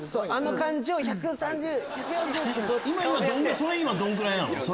それ今どんぐらいなの？